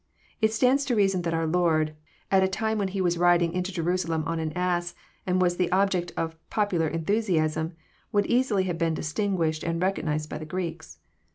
It stands to reason that our Lord, at a time when He was riding into Jerusalem on an ass, and was the object of popular enthusiasm, would easily have been distinguished and recognized by the Greeks.